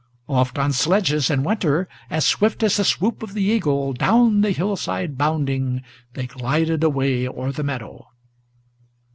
Oft on sledges in winter, as swift as the swoop of the eagle, Down the hillside bounding, they glided away o'er the meadow.